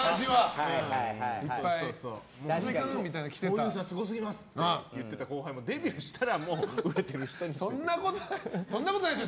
ふぉゆさんすごすぎます！って言ってくれた後輩もデビューしたらそんなことないでしょ。